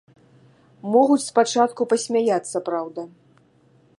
Могуць спачатку пасмяяцца, праўда.